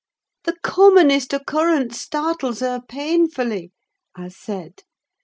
"The commonest occurrence startles her painfully," I said.